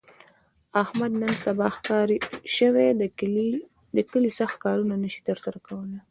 احمد نن سبا ښاري شوی، د کلي سخت کارونه نشي تر سره کولی.